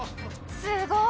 すごい！